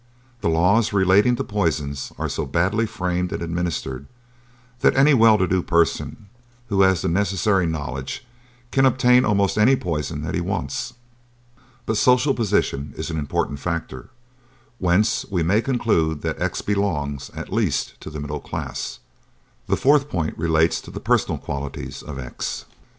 "The laws relating to poisons are so badly framed and administered that any well to do person, who has the necessary knowledge, can obtain almost any poison that he wants. But social position is an important factor, whence we may conclude that X belongs, at least, to the middle class. "The fourth point relates to the personal qualities of X.